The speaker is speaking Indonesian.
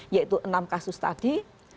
yaitu enam kasus tadi